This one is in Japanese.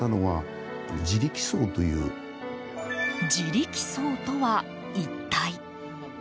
自力葬とは一体？